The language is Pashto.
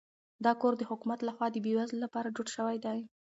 دا کور د حکومت لخوا د بې وزلو لپاره جوړ شوی دی.